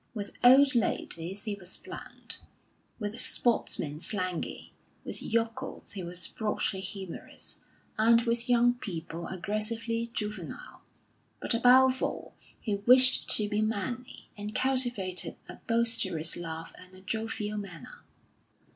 With old ladies he was bland; with sportsmen slangy; with yokels he was broadly humorous; and with young people aggressively juvenile. But above all, he wished to be manly, and cultivated a boisterous laugh and a jovial manner.